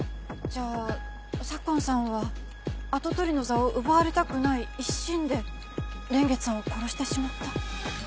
じゃあ左紺さんは跡取りの座を奪われたくない一心で蓮月さんを殺してしまった？